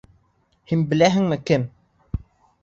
Һин беләһеңме кем?